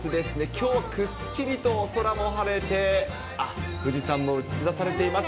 きょう、くっきりと空も晴れて、富士山も映し出されています。